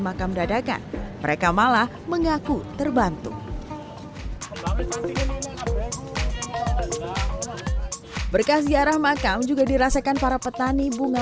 makam dadakan mereka malah mengaku terbantu berkah ziarah makam juga dirasakan para petani bunga